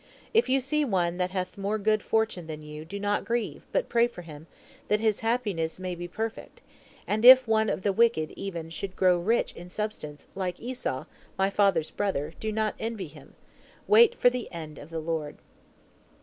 If you see one that hath more good fortune than you, do not grieve, but pray for him, that his happiness may be perfect, and if one of the wicked even should grow rich in substance, like Esau, my father's brother, do not envy him. Wait for the end of the Lord.